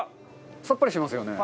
さっぱりしますよね。